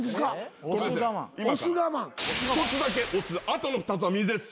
１つだけお酢あとの２つは水です。